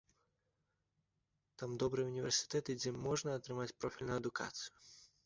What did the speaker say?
Там добрыя ўніверсітэты, дзе можна атрымаць профільную адукацыю.